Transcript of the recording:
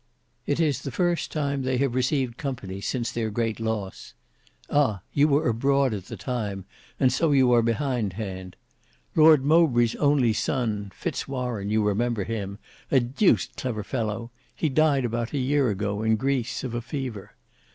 It is the first time they have received company since their great loss. Ah! you were abroad at the time, and so you are behind hand. Lord Mowbray's only son, Fitz Warene, you remember him, a deuced clever fellow, he died about a year ago, in Greece, of a fever.